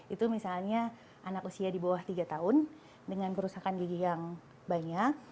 itu misalnya anak usia di bawah tiga tahun dengan kerusakan gigi yang banyak